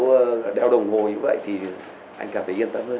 và cháu đèo đồng hồ như vậy thì anh cảm thấy yên tâm hơn